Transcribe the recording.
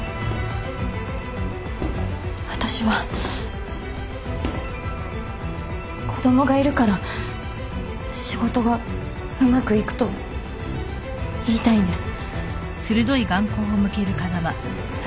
私は子供がいるから仕事がうまくいくと言いたいんです。